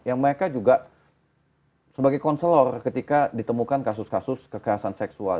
yang mereka juga sebagai konselor ketika ditemukan kasus kasus kekerasan seksual